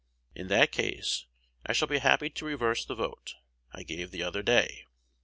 In that case, I shall be most happy to reverse the vote I gave the other day.